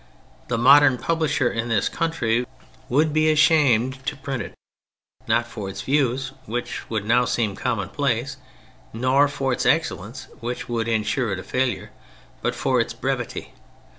The modern publisher in this country would be ashamed to print it : not for its views (which would now seem commonplace), nor for its excellence, which would ensure it a failure, but for its brevity.